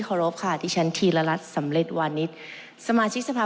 ขอรบค่ะที่ฉันทีละลัดสำเร็จวันนี้สมาชิกสภาพ